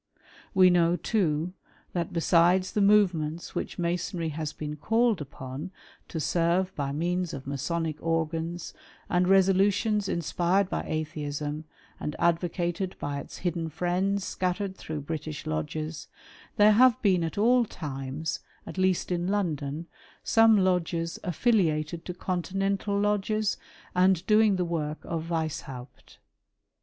We know too, that besides the movements which Masonry has been called upon to serve by means of Masonic organs, and resolutions inspired by Atheism, and advocated by its hidderi friends scattered through British lodges, there have been at all times, at least in London, some lodges affiliated to Continental lodges, and doing the work of Weishaupt.